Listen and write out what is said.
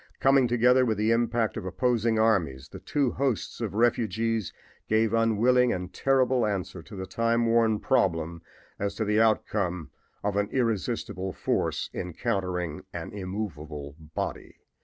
Coming together with the impact of opposing armies the two hosts of refugees gave unwilling and terrible answer to the time worn problem as to the outcome of an irresistible force encountering an immovable body.